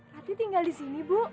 tapi tinggal di sini bu